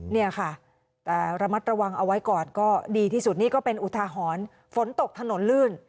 เนี่ยค่ะแต่ระมัดระวังเอาไว้ก่อนก็ดีที่สุดนี่ก็เป็นอุทาหรณ์ฝนตกถนนลื่น